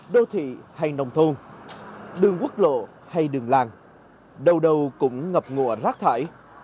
đô thị hay nông thôn đường quốc lộ hay đường làng đầu đầu cũng ngập ngụa rác thải